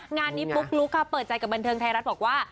งานนี้ปุ๊กลุ๊กค่ะเปิดใจกับบันเทิงไทยรัฐบอกว่า